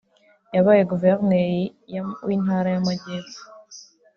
yabaye Guverineri w’Intara y’Amajyepfo